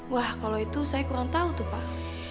wah kalau itu saya kurang tahu tuh pak